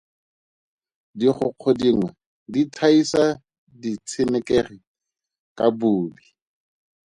Digokgo dingwe di thaisa ditshenekegi ka bobi.